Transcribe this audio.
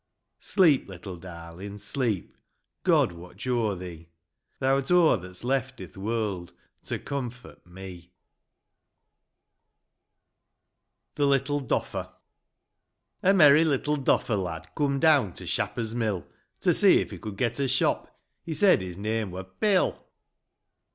Sleep, little darlin', sleep ; God watch o'er thee ! Thou'rt o' that's left i'th world, To comfort me ! wut mnu Mf^iut. I. MERRY little doffer lad Coom down to Shapper's mill, To see if he could get a shop ; He said his name wur " Bill."